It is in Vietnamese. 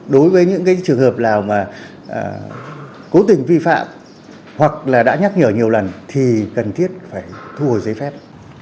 đối với những cái trường hợp nào mà cố tình vi phạm hoặc là đã nhắc nhở nhiều lần thì cần thiết phải thu hồi giấy phép